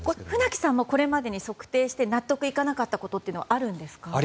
船木さんもこれまでに測定して納得いかなかったことってあるんですか？